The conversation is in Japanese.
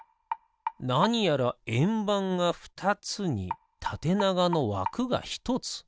なにやらえんばんがふたつにたてながのわくがひとつ。